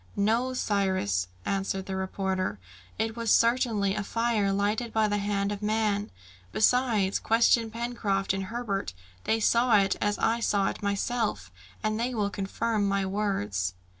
"No, Cyrus," answered the reporter; "it was certainly a fire lighted by the hand of man. Besides, question Pencroft and Herbert. They saw it as I saw it myself, and they will confirm my words."